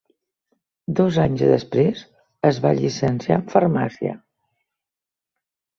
Dos anys després es va llicenciar en farmàcia.